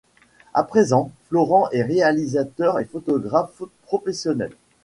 À présent, Florent est réalisateur et photographe professionnel.